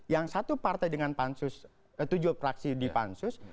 yang satu partai dengan tujuh fraksi di pansus